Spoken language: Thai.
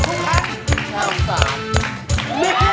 ดูวัยรุ่นสุพรรณ